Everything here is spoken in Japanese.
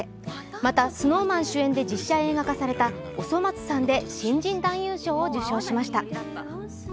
また、ＳｎｏｗＭａｎ主演で実写映画化された「おそ松さん」で新人男優賞を受賞しました。